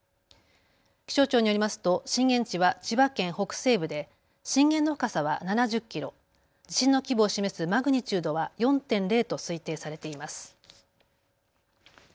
気象庁によりますと震源地は千葉県北西部で震源の深さは７０キロ、地震の規模を示すマグニチュードは４．０と推定されています。